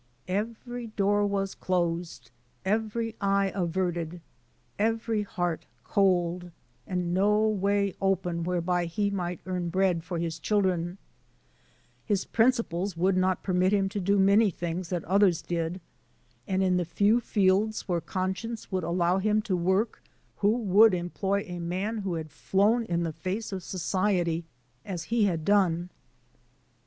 Every door was closed, every eye averted, every heart cold, and no way open whereby he might earn bread for his children. His principles Digitized by VjOOQ IC 170 BRONSON ALCX)TT'S FRUITLANDS would not permit him to do many things that others did; and in the few fields where conscience would allow him to work, who would employ a man who had flown in the face of society, as he had done?